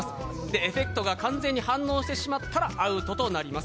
エフェクトが完全に反応してしまったらアウトとなります。